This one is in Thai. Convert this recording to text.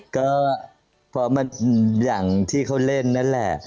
ก็พอมาอย่างที่เขาเล่นนั่นแหละ